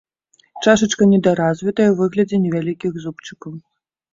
Чашачка недаразвітая ў выглядзе невялікіх зубчыкаў.